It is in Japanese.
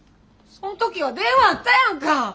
そん時は電話あったやんか！